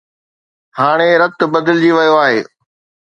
هاڻي رت بدلجي ويو آهي.